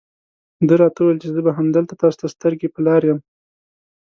ده راته وویل چې زه به همدلته تاسو ته سترګې په لار یم.